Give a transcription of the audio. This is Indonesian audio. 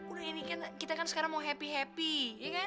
udah ini kan kita kan sekarang mau happy happy